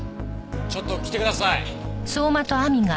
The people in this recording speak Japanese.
ちょっと来てください。